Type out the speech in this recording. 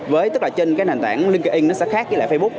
với tức là trên cái nền tảng linkedin nó sẽ khác với facebook